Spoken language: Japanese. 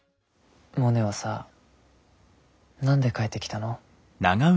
モネはさ何で帰ってきたの？